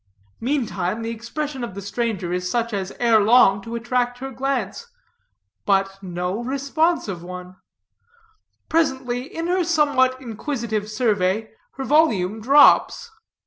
Meantime, the expression of the stranger is such as ere long to attract her glance. But no responsive one. Presently, in her somewhat inquisitive survey, her volume drops.